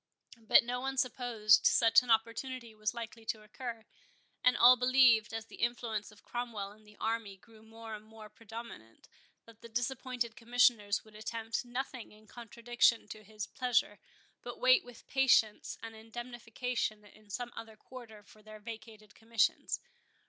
But no one supposed such an opportunity was likely to occur; and all believed, as the influence of Cromwell and the army grew more and more predominant, that the disappointed Commissioners would attempt nothing in contradiction to his pleasure, but wait with patience an indemnification in some other quarter for their vacated commissions.